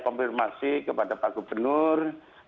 konfirmasi kepada pak gubernur